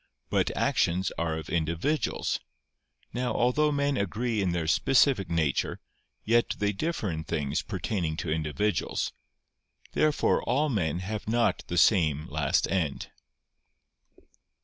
But actions are of individuals. Now although men agree in their specific nature, yet they differ in things pertaining to individuals. Therefore all men have not the same last end.